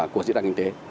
của diễn đàn kinh tế